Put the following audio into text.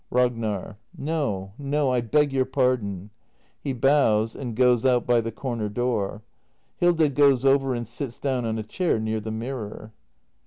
Ragnar. No, no. I beg your pardon [He bows, and goes out by the corner door. Hilda goes over and sits down on a chair near the mirror.